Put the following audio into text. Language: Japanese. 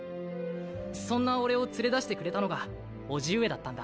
そんなオレを連れ出してくれたのが叔父上だったんだ。